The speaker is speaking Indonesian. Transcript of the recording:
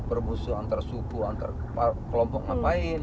berbusu antara suku antara kelompok ngapain